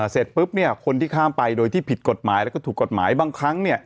เสร็จปุ๊บคนที่ข้ามไปโดยที่ผิดกฎหมายแล้วก็ถูกกฎหมายบางครั้ง